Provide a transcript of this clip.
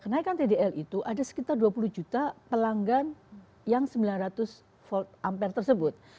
kenaikan tdl itu ada sekitar dua puluh juta pelanggan yang sembilan ratus volt ampere tersebut